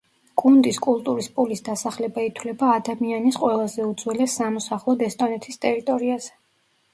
კუნდის კულტურის პულის დასახლება ითვლება ადამიანის ყველაზე უძველეს სამოსახლოდ ესტონეთის ტერიტორიაზე.